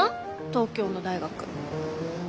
東京の大学。